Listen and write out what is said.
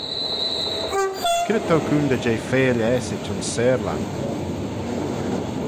C'red t'ou coontey jeh feill aasit ayns seyrlan?